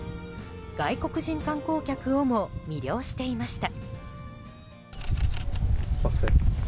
外国人観光客をも魅了していました。